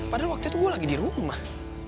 padahal waktu itu gue lagi di rumah